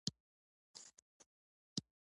تودوخه د افغانستان د ځایي اقتصادونو بنسټ دی.